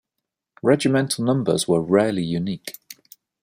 Regimental numbers were rarely unique.